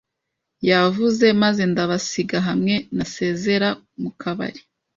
yavuze; maze ndabasiga hamwe nasezera mu kabari.